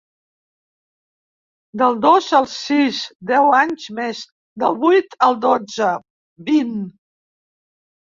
Del dos al sis, deu anys més, del vuit al dotze, vint.